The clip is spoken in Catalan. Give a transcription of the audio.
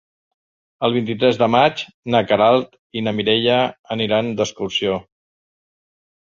El vint-i-tres de maig na Queralt i na Mireia aniran d'excursió.